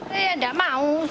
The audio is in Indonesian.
saya tidak mau